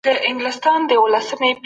روښانه فکر باور نه دروي.